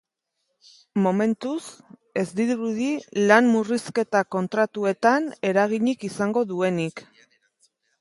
Momentuz, ez dirudi lan murrizketa kontratuetan eraginik izango duenik.